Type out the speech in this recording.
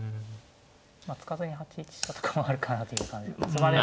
まあ突かずに８一飛車とかもあるかなという感じ。